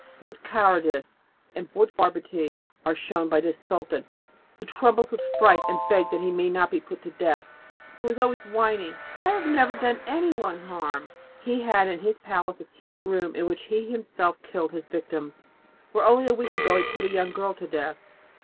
What cowardice and what barbarity are shown by this Sultan, who trembles with fright and begs that he may not be put to death, who is always whining 'I have never done anyone any harm!' He had in his palace a secret room in which he himself killed his victims, where only a week ago he put a young girl to death!"